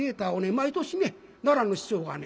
毎年ね奈良の市長がね